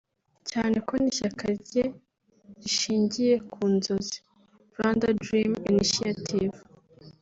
cyane ko n’Ishyaka rye rishingiye ku nzozi [Rwanda ’Dream’ Initiative]